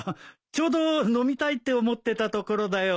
ちょうど飲みたいって思ってたところだよ。